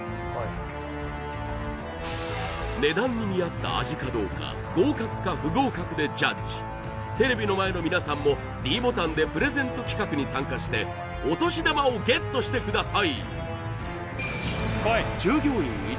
値段に見合った味かどうか合格か不合格でジャッジテレビの前の皆さんもｄボタンでプレゼント企画に参加してお年玉をＧＥＴしてください